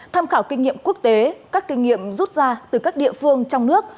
tham khảo kinh nghiệm quốc tế các kinh nghiệm rút ra từ các địa phương trong nước